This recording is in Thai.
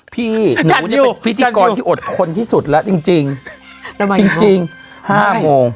พี่หนูจะเป็นพิธีกรที่อดคนที่สุดแล้วจริงจริงจริงจริงห้าโมง